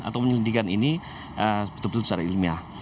atau penyelidikan ini betul betul secara ilmiah